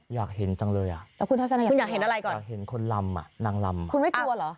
อยากเห็นจังเลยอ่ะอยากเห็นคนลำนางลำคุณไม่กลัวเหรอ